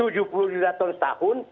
tujuh puluh lima ton setahun